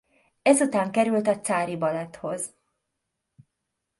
Ezután került a Cári Baletthoz.